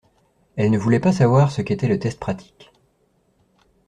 Elle ne voulait pas savoir ce qu’était le test pratique.